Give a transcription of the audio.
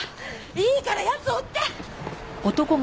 いいから奴を追って！